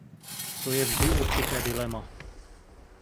To je vždy určité dilema.